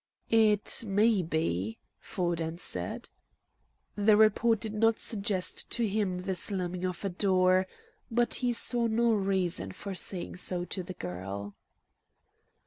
"It may be," Ford answered. The report did not suggest to him the slamming of a door, but he saw no reason for saying so to the girl.